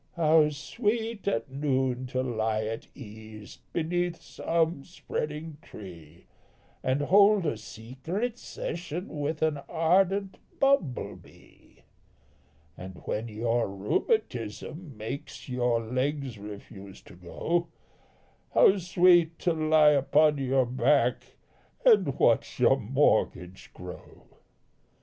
How sweet at noon to lie at ease Beneath some spreading tree, And hold a secret session With an ardent bumble bee, And when your rheumatism makes Your legs refuse to go, How sweet to lie upon your back And watch your mortgage grow.